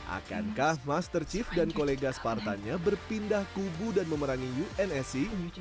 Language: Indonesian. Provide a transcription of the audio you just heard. akankah master chief dan kolega spartannya berpindah kubu dan memerangi unsc